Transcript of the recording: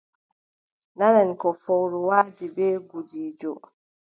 Nanen ko fowru waadi bee gudiijo.